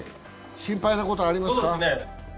心配なことはありますか？